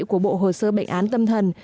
của bộ hồ sơ bệnh án tâm thần